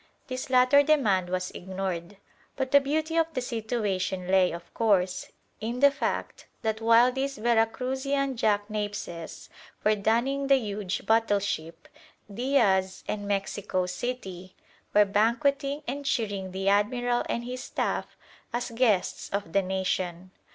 This latter demand was ignored. But the beauty of the situation lay, of course, in the fact that while these Vera Cruzian jackanapeses were dunning the huge battleship, Diaz and Mexico City were banqueting and cheering the admiral and his staff as guests of the nation.